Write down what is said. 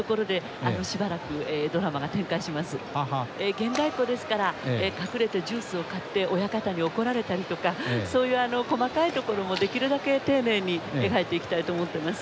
現代っ子ですから隠れてジュースを買って親方に怒られたりとかそういう細かいところもできるだけ丁寧に描いていきたいと思ってます。